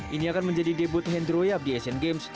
ini akan menjadi debut hendroy yap di asian games